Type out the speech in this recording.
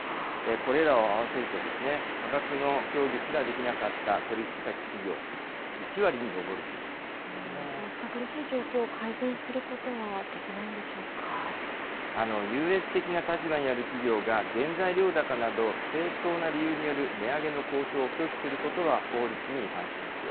これらを合わせると、価格の協議すらできなかった取り引き先企業、１割に上るというんこうした苦しい状況を改善す優越的な立場にある企業が、原材料高など、正当な理由による値上げの交渉を拒否することは法律に違反します。